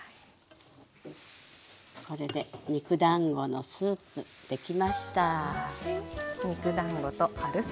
これで肉だんごのスープ出来ました。